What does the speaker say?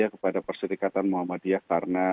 kepada persyarikatan muhammadiyah karena